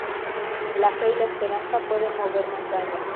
La fe y la esperanza pueden mover montañas.